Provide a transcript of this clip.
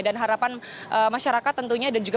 dan harapan masyarakat tentunya dan juga